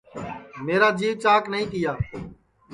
میرا جِیوَ چاک نائی تِیا